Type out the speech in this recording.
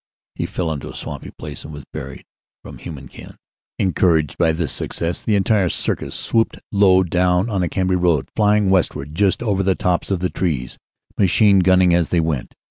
He fell into a swampy place and was buried from human ken. Encouraged by this success, the entire "circus" swooped low down on to the Cambrai Road, flying westward just over the tops of the trees, machine gunning as they went.